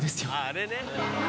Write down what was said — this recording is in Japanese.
あれね。